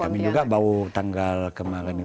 kami juga baru tanggal kemarin